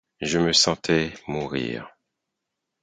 Je me sentais mourir.